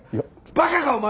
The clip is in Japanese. バカかお前は！